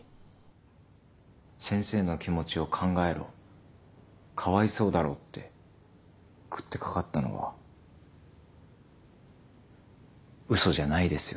先生の気持ちを考えろかわいそうだろって食ってかかったのは嘘じゃないですよね？